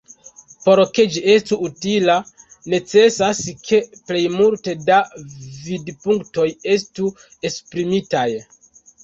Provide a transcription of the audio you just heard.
Por ke ĝi estu utila, necesas ke plejmulto da vidpunktoj estu esprimitaj.